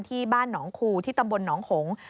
ที่บ้านหนองคูที่ตำบลหนองหงษ์